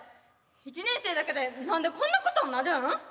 １年生だけで何でこんなことになるん？